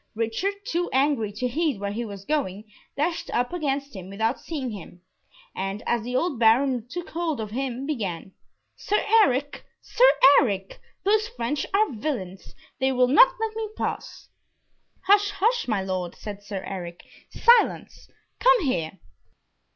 Richard, too angry to heed where he was going, dashed up against him without seeing him, and as the old Baron took hold of him, began, "Sir Eric, Sir Eric, those French are villains! they will not let me pass " "Hush, hush! my Lord," said Sir Eric. "Silence! come here."